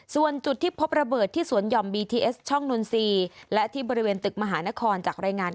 ส่วนจุดที่พบระเบิดที่สวนห่อมบีทีเอสช่องนนทรีย์และที่บริเวณตึกมหานครจากรายงาน